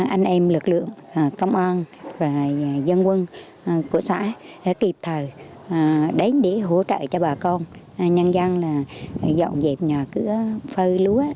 anh em lực lượng công an và dân quân của xã kịp thời đến để hỗ trợ cho bà con nhân dân dọn dẹp nhà cứa phơi lúa